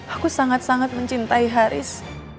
aku sangat sangat mencintai haris